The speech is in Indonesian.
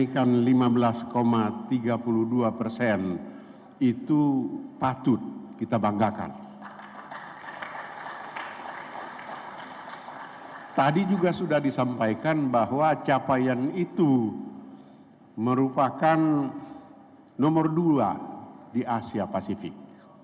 ketua bursa efek